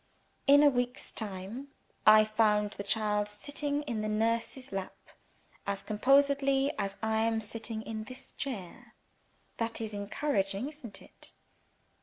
'In a week's time, I found the child sitting in the nurse's lap as composedly as I am sitting in this chair.' "That is encouraging isn't it?"